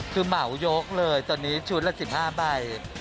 คือเหมายกเลยตอนนี้ชุดละ๑๕ใบ